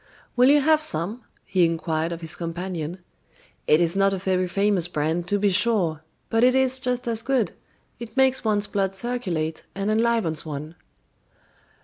"Will you have some?" he inquired of his companion. "It is not a very famous brand, to be sure; but it is just as good, it makes one's blood circulate and enlivens one."